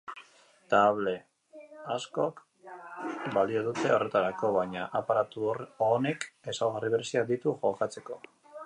Table askok balio dute horretarako, baina aparatu honek ezaugarri bereziak ditu jokatzeko.